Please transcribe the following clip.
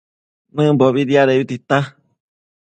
Nëmbobi diadebi tita